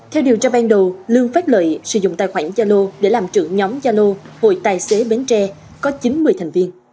theo điều tra ban đầu lương phát lợi sử dụng tài khoản gia lô để làm trưởng nhóm gia lô hội tài xế bến tre có chín mươi thành viên